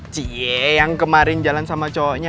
cie yang kemarin jalan sama cowoknya